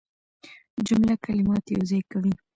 جمله کلمات یوځای کوي.